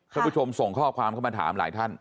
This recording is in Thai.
คุณผู้ชมส่งข้อความเข้ามาถามหลายท่าน